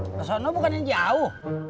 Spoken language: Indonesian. ke sana bukan yang jauh